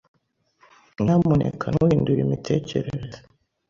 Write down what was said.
Nyamuneka, ntuhindure imitekerereze